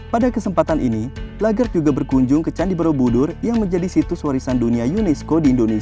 pada kesempatan ini lagarde juga berkunjung ke candi borobudur yang menjadi situs warisan dunia unesco di indonesia